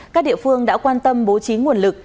các địa phương đã quan tâm bố trí nguồn lực